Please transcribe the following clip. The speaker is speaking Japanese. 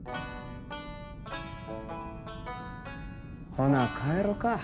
ほな帰ろか。